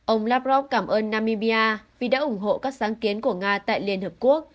ông lavrov cảm ơn namibia vì đã ủng hộ các sáng kiến của nga tại liên hợp quốc